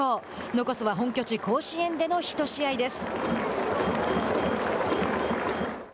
残すは本拠地甲子園での１試合です。